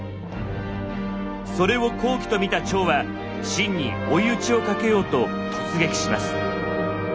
それを好機と見た趙は秦に追い打ちをかけようと突撃します。